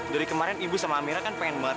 dari kemarin ibu sama amira kan pengen balik